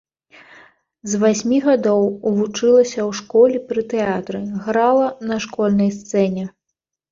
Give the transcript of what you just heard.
З васьмі гадоў вучылася ў школе пры тэатры, грала на школьнай сцэне.